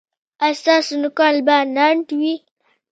ایا ستاسو نوکان به لنډ وي؟